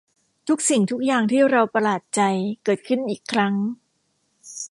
ทุกสิ่งทุกอย่างที่เราประหลาดใจ เกิดขึ้นอีกครั้ง